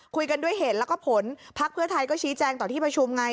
คุยกันด้วยเหตุแล้วก็ผลพักเพื่อไทยก็ชี้แจงต่อที่ประชุมไง